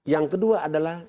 yang kedua adalah